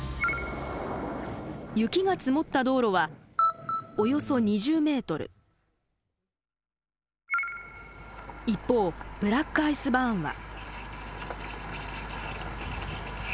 雪が積もった道路はおよそ一方ブラックアイスバーンは。